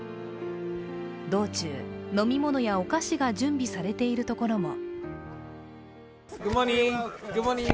道中、飲み物やお菓子が準備されているところも。